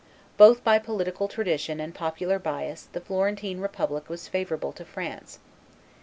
Both by political tradition and popular bias the Florentine republic was favorable to France.